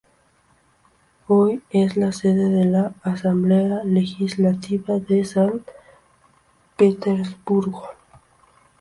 Hoy es la sede de la Asamblea Legislativa de San Petersburgo.